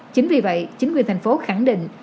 chính vì vậy chính quyền thành phố khẳng định